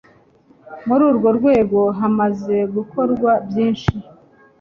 muri urwo rwego hamaze gukorwa byinshi